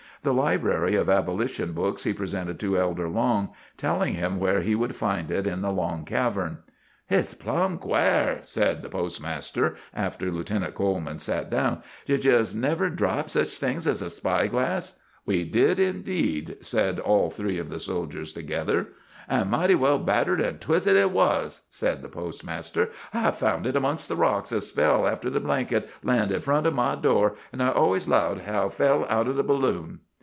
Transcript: The library of abolition books he presented to Elder Long, telling him where he would find it in the long cavern. "Hit's plumb quare," said the postmaster, after Lieutenant Coleman sat down. "Did you 'ns ever drop sech a thing as a spy glass?" "We did indeed," said all three of the soldiers together. "An' mighty well battered an' twisted hit was," said the postmaster. "I found hit 'mongst the rocks a spell after the blanket landed front o' my door, an' I always 'lowed hit fell out o' the balloon."